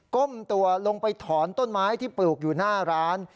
้มตัวลงไปถอนต้นไม้ที่ปลูกอยู่หน้าร้าน